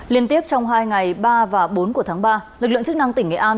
liên tiếp trong hai ngày ba và bốn của tháng ba lực lượng chức năng tỉnh nghệ an